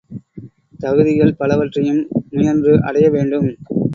தகுதிகள் பலவற்றையும் முயன்று அடைய வேண்டும்.